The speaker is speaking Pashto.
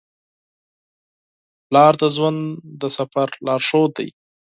پلار د ژوند د سفر لارښود دی.